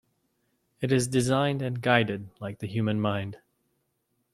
It is designed and guided, like the human mind.